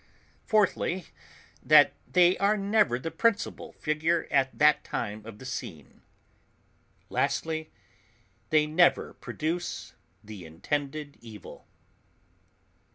Fourthly, that they are never the principal figure at that time on the scene; lastly, they never produce the intended evil.